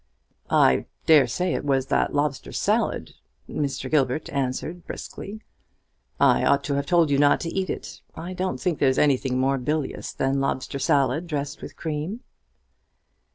"I dare say it was that lobster salad," Mr. Gilbert answered, briskly: "I ought to have told you not to eat it. I don't think there's anything more bilious than lobster salad dressed with cream."